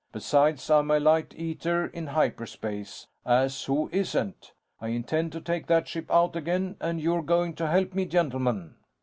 Besides, I'm a light eater in hyperspace as who isn't? I intend to take that ship out again, and you're going to help me, gentlemen."